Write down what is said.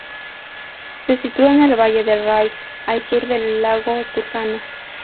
Se sitúa en el valle del Rift, al sur del lago Turkana.